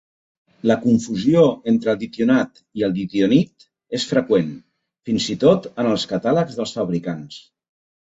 La confusió entre el ditionat i el ditionit és freqüent, fins i tot en els catàlegs dels fabricants.